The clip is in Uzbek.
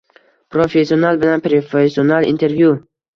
Professional bilan professional intervyu